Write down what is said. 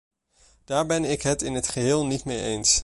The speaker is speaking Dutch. Daar ben ik het in het geheel niet mee eens.